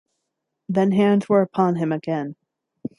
Then hands were upon him again.